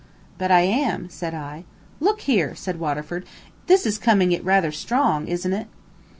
"But I am," said I. "Look here!" said Waterford; "this is coming it rather strong, isn't it?"